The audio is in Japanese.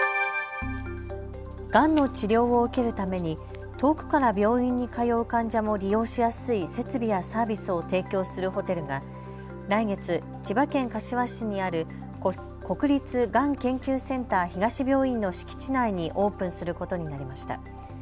がんの治療を受けるために遠くから病院に通う患者も利用しやすい設備やサービスを提供するホテルが来月、千葉県柏市にある国立がん研究センター東病院の敷地内にオープンすることになりました。